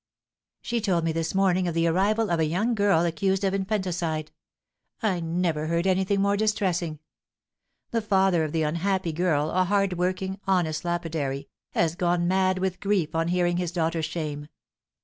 She told me this morning of the arrival of a young girl accused of infanticide. I never heard anything more distressing. The father of the unhappy girl, a hard working, honest lapidary, has gone mad with grief on hearing his daughter's shame.